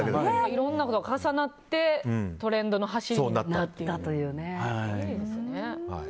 いろんなことが重なってトレンドの走りになったと。